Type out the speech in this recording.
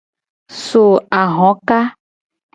So ahoka.